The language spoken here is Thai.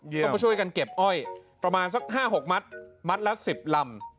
ก็มาช่วยกันเก็บอ้อยประมาณสัก๕๖มัดมัดละ๑๐ลำ